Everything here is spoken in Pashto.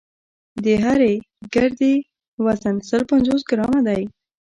د هرې ګردې وزن سل پنځوس ګرامه دی.